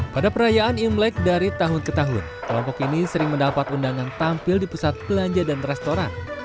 pada perayaan imlek dari tahun ke tahun kelompok ini sering mendapat undangan tampil di pusat belanja dan restoran